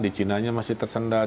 di chinanya masih tersendat